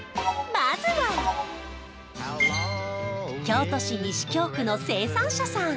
まずは京都市西京区の生産者さん